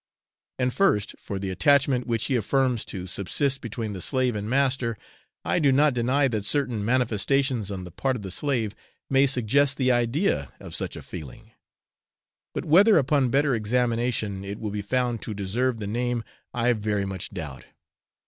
And first, for the attachment which he affirms to subsist between the slave and master. I do not deny that certain manifestations on the part of the slave may suggest the idea of such a feeling; but whether upon better examination it will be found to deserve the name, I very much doubt.